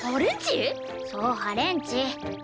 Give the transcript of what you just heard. そうハレンチ。